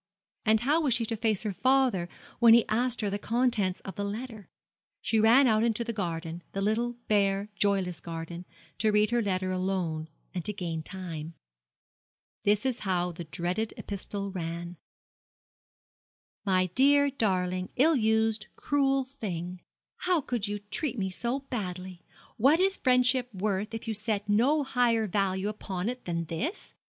And how was she to face her father when he asked her the contents of the letter? She ran out into the garden the little bare, joyless garden to read her letter alone, and to gain time. This is how the dreaded epistle ran: 'My dear darling, ill used, cruel thing, 'However could you treat me so badly? What is friendship worth, if you set no higher value upon it than this?